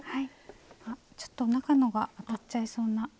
あちょっと中のがいっちゃいそうな。